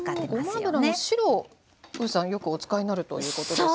ごま油の白をウーさんよくお使いになるということですが。